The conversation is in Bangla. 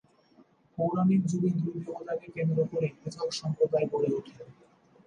পৌরাণিক যুগে দুই দেবতাকে কেন্দ্র করেই পৃথক সম্প্রদায় গড়ে ওঠে।